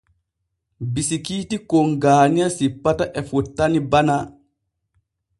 Bisikiiti kon Gaaniya simpata e fottani Bana.